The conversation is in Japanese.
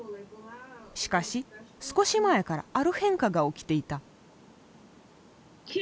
しかし少し前からある変化が起きていた。